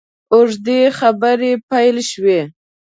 اوږدې خبرې پیل شوې.